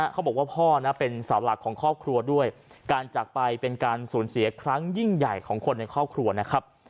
เขาบอกว่าพ่อเป็นสาวหลักของครอบครัวด้วยการจากไปเป็นการสูญเสียครั้งยิ่งใหญ่ของคนในครอบครัวนะครับ